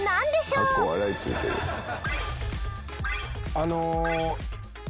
あの。